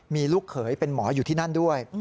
มีลูกเขยเป็นหมออยู่ที่นั่นด้วย